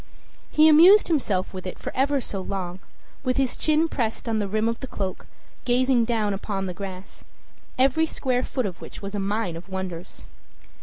He amused himself with it for ever so long, with his chin pressed on the rim of the cloak, gazing down upon the grass, every square foot of which was a mine of wonders.